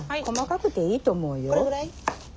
細かくていいと思うよ。